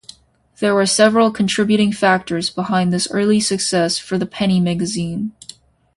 There were several contributing factors behind this early success for "The Penny Magazine".